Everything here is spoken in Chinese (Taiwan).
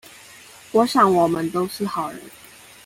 我想我們都是好人